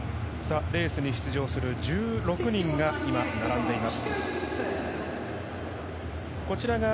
レースに出場する１６人が今、並んでいます。